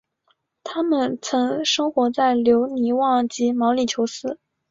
它们曾生活在留尼旺及毛里裘斯。